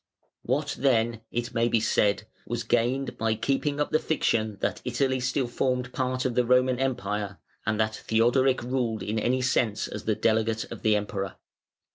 What then, it may be said, was gained by keeping up the fiction that Italy still formed part of the Roman Empire, and that Theodoric ruled in any sense as the delegate of the Emperor?